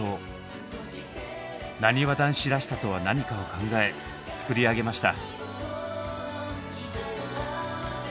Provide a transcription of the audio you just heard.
「なにわ男子らしさ」とは何かを考え作り上げました。